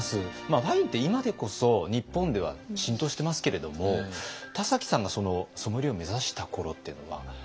ワインって今でこそ日本では浸透してますけれども田崎さんがソムリエを目指した頃っていうのは。